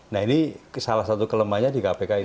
nah ini salah satu kelemahannya di kpk ini